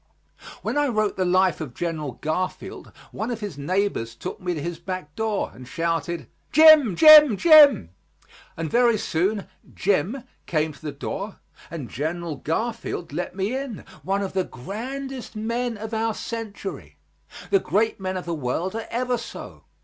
When I wrote the life of General Garfield, one of his neighbors took me to his back door, and shouted, "Jim, Jim, Jim!" and very soon "Jim" came to the door and General Garfield let me in one of the grandest men of our century. The great men of the world are ever so.